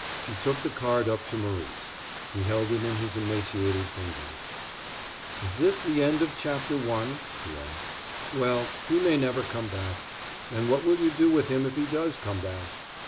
She took the card up to Maurice. He held it in his emaciated fingers. "Is this the end of Chapter One?" he asked. "Well, he may never come back; and what will you do with him if he does come back?"